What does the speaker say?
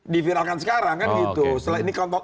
diviralkan sekarang kan gitu